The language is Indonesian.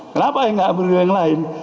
kenapa enggak yang lain